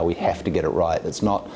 bukan hanya melakukan hal yang di sisi